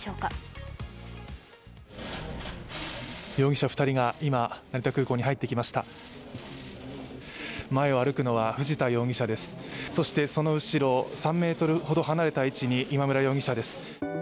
そしてその後ろ、３ｍほど離れた位置に今村容疑者です。